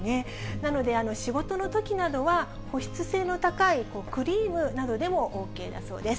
なので、仕事のときなどは保湿性の高いクリームなどでもＯＫだそうです。